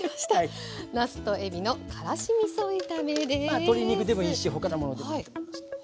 まあ鶏肉でもいいし他のものでもいいと思います。